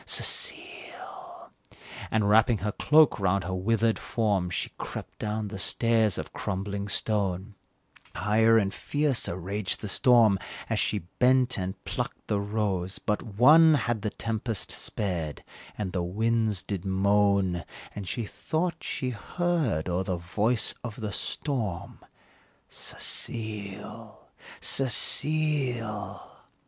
Cecile!" And, wrapping her cloak round her withered form, She crept down the stairs of crumbling stone; Higher and fiercer raged the storm As she bent and plucked the rose but one Had the tempest spared and the winds did moan, And she thought that she heard o'er the voice of the storm, "Cecile! Cecile!"